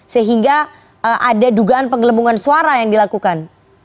sehingga ada dugaan penggelembungan suara yang dilakukan